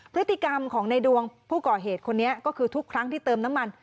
พฤติกรรมของในดวงผู้ก่อเหตุคนนี้ก็คือทุกครั้งที่เติมน้ำมัน